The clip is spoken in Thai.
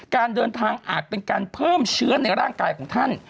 การเดินทางอาจเป็นการเพิ่มเชื้อในร่างกายของท่าน